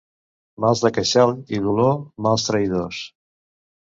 Mals de queixal i dolor, mals traïdors.